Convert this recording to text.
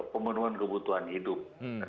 pemenuhan kebutuhan hidup